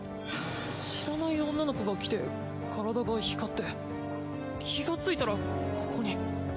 知らない女の子が来て体が光って気がついたらここに。